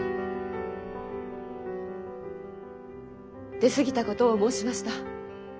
出過ぎたことを申しました。